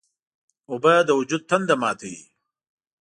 اوبه د وجود تنده ماتوي.